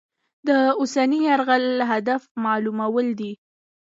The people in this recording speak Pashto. د اوسني یرغل هدف معلومول دي.